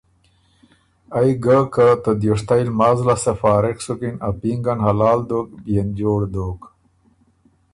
ائ ګه که ته دیوشتئ لماز لاسته فارغ سُکِن ا پینګن حلال دوک بيې ن جوړ دوک۔